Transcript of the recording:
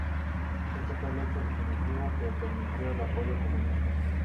Este fue el hecho definitivo que permitió el apoyo comunista.